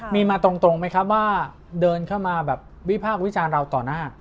มีมาตรงไหมครับว่าเดินเข้ามาแบบวิพากษ์วิจารณ์เราต่อหน้า